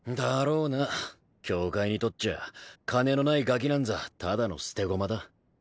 教会にとっちゃ金のないガキなんざただの捨て駒だ